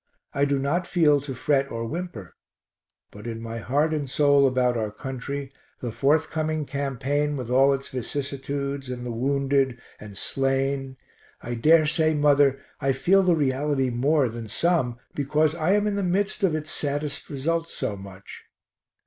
I do not feel to fret or whimper, but in my heart and soul about our country, the forthcoming campaign with all its vicissitudes and the wounded and slain I dare say, mother, I feel the reality more than some because I am in the midst of its saddest results so much.